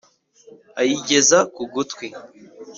ayigeza ku gutwi